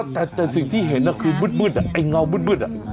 แต่สิ่งที่เห็นคือมืดไอ้เงามืด